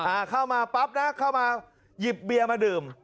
อ่าเข้ามาปั๊บนะเข้ามาหยิบเบียร์มาดื่ม